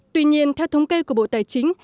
tuy nhiên theo thống kê của bộ tài chính